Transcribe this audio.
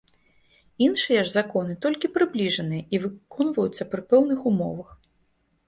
Іншыя ж законы толькі прыбліжаныя і выконваюцца пры пэўных умовах.